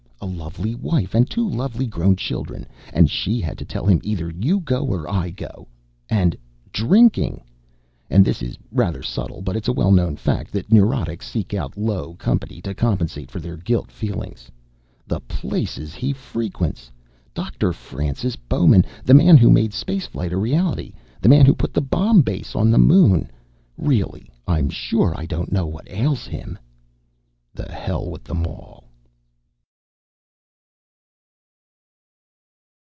A lovely wife and two lovely grown children and she had to tell him 'either you go or I go.' And drinking! And this is rather subtle, but it's a well known fact that neurotics seek out low company to compensate for their guilt feelings. The places he frequents. Doctor Francis Bowman, the man who made space flight a reality. The man who put the Bomb Base on the Moon! Really, I'm sure I don't know what ails him." The hell with them all.